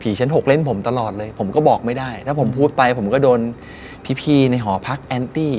ชั้น๖เล่นผมตลอดเลยผมก็บอกไม่ได้ถ้าผมพูดไปผมก็โดนพี่ในหอพักแอนตี้